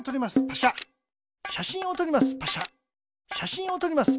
しゃしんをとります。